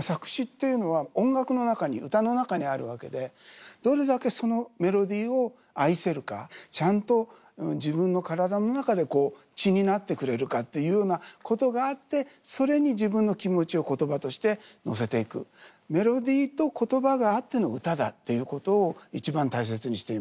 作詞っていうのは音楽の中に歌の中にあるわけでどれだけそのメロディーを愛せるかちゃんと自分の体の中で血になってくれるかっていうようなことがあってそれに自分の気持ちを言葉として乗せていく。っていうことを一番大切にしています。